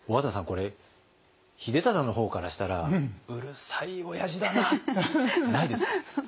これ秀忠の方からしたらうるさいおやじだなないですか？